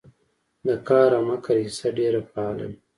د قار او مکر حصه ډېره فعاله وي